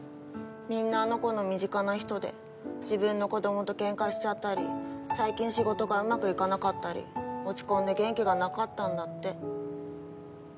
みんなあの子の身近な人で自分の子供と喧嘩しちゃったり最近仕事がうまくいかなかったり落ち込んで元気がなかったんだって。